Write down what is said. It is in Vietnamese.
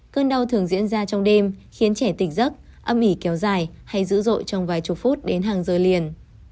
cơn đau thường diễn ra trong đêm khiến trẻ tỉnh giấc âm ỉ kéo dài hay dữ dội trong vài chục phút đến hàng giờ liền